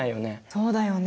そうだよね。